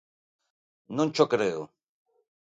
Non cho creo!